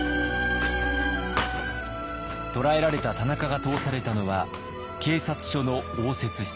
捕らえられた田中が通されたのは警察署の応接室。